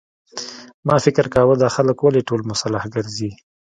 ما فکر کاوه دا خلک ولې ټول مسلح ګرځي.